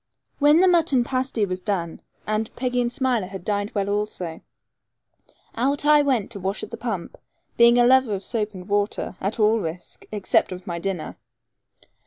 When the mutton pasty was done, and Peggy and Smiler had dined well also, out I went to wash at the pump, being a lover of soap and water, at all risk, except of my dinner.